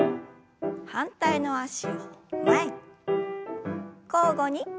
反対の脚を前に。